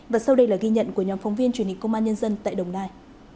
và sau đây là ghi nhận của nhóm phóng viên truyền hình công an nhân dân tại đồng nai